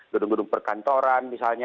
gedung gedung perkantoran misalnya